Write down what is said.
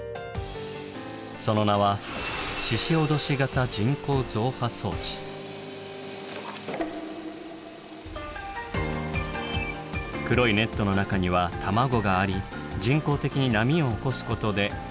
その名は黒いネットの中には卵があり人工的に波を起こすことで。